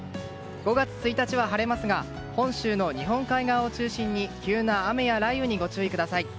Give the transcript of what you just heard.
５月１日は晴れますが本州の日本海側を中心に急な雨や雷雨にご注意ください。